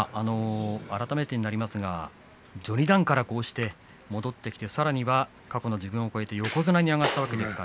改めてになりますが序二段からこうして戻ってきたからには過去の自分を超えて横綱に上がったわけです。